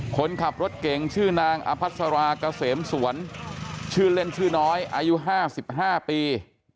คนขับรถเก่งชื่อนางอภัสราเกษมสวนชื่อเล่นชื่อน้อยอายุ๕๕ปี